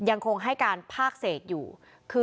เพราะว่าพ่อมีสองอารมณ์ความรู้สึกดีใจที่เจอพ่อแล้ว